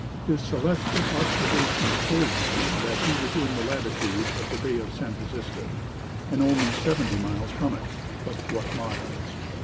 His celestial observations told him that he was in the latitude of the Bay of San Francisco, and only seventy miles from it. But what miles!